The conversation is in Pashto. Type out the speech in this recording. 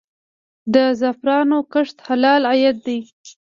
د زعفرانو کښت حلال عاید دی؟